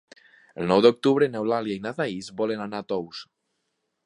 El nou d'octubre n'Eulàlia i na Thaís volen anar a Tous.